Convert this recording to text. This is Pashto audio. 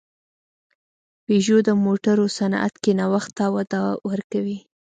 پيژو د موټرو صنعت کې نوښت ته وده ورکوي.